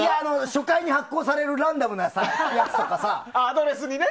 初回に発行されるランダムなやつとかさ。